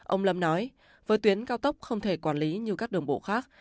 ông lâm nói với tuyến cao tốc không thể quản lý như các đường bộ khác